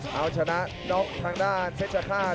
เอาชนะน็อกทางด้านเพชรฆาต